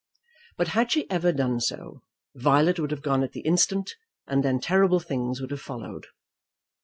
But had she ever done so, Violet would have gone at the instant, and then terrible things would have followed.